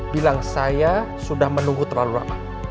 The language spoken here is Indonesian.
bilang saya sudah menunggu terlalu lama